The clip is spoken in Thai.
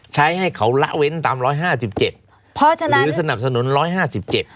ใช้ให้เขาละเว้นตามร้อยห้าสิบเจ็ดหรือสนับสนุนร้อยห้าสิบเจ็ด